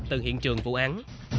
từ hiện trường vụ án